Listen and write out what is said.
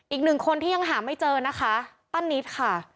อีกหนึ่งคนที่ยังหาไม่เจอนะคะป้านิตค่ะ